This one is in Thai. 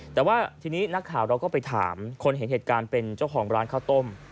แต่ว่าทีนี้นักข่าวเราก็ไปถามคนเห็นเหตุการณ์เป็นเจ้าของร้านข้าวต้ม